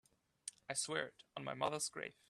I swear it on my mother's grave.